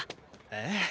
ええ？